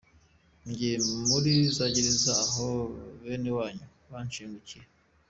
Njye muri za gereza aho benewanyu bashengukira ?